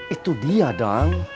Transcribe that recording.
itu dia dang